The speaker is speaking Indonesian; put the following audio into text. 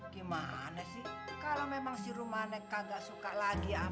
gimana sih kalau memang si rumana gak suka lagi sama si robi